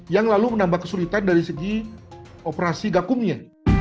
yang lalu menambah kesulitan dari segi operasi gakumnya